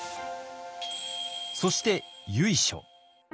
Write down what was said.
そして由緒。